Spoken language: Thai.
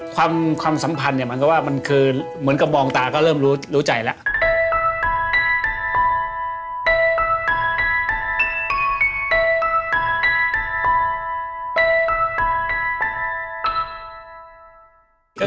ความสัมพันธ์เหมือนกับมองตาก็เริ่มรู้ใจแล้ว